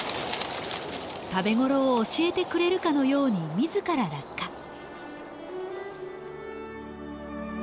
食べ頃を教えてくれるかのように自ら落下。